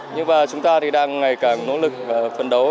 nhưng mà chúng ta thì đang ngày càng nỗ lực phân đấu